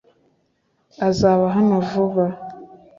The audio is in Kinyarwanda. azaba hano vuba